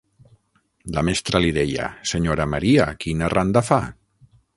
La mestra li deia: senyora Maria, quina randa fa?